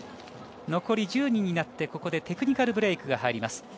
残り１０人になってテクニカルブレークが入ります。